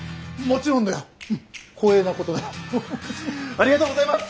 ありがとうございます！